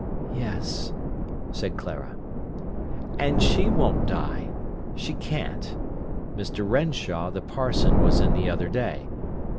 "Yes," said Clara. "And she won't die. She can't. Mr. Renshaw, the parson, was in the other day.